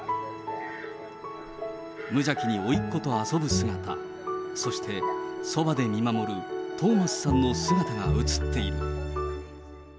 無邪気においっ子と遊ぶ姿、そして、そばで見守るトーマスさんの姿が映っている。